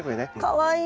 かわいい。